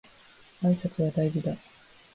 挨拶は大事だ